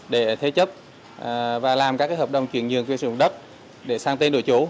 để thế chấp và làm các hợp đồng chuyển nhượng quyền sử dụng đất để sang tên đội chủ